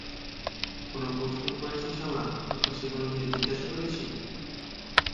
কোন প্রশ্ন করেছি শালা তোর কাছে কোন কিছু জিজ্ঞাসা করেছি?